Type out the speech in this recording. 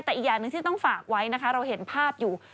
แต่อีกอย่างหนึ่งที่ต้องฝากไว้นะคะเราเห็นภาพอยู่